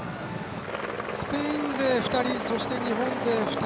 スペイン勢２人そして、日本勢２人